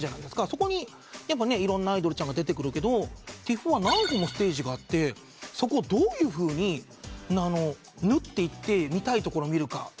そこにいろんなアイドルちゃんが出てくるけどＴＩＦは何個もステージがあってそこをどういうふうに縫っていって見たいところを見るか。